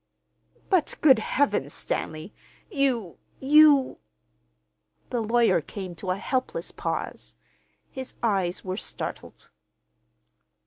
"But, good Heavens, Stanley, you—you—" the lawyer came to a helpless pause. His eyes were startled.